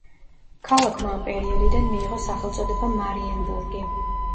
ქალაქმა ამ პერიოდიდან მიიღო სახელწოდება მარიენბურგი.